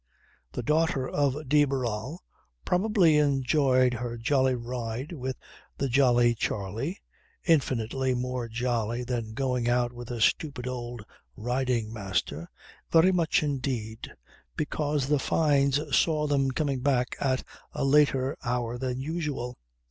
The daughter of de Barral probably enjoyed her jolly ride with the jolly Charley (infinitely more jolly than going out with a stupid old riding master), very much indeed, because the Fynes saw them coming back at a later hour than usual.